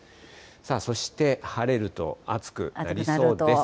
そして、晴れると暑くなりそうです。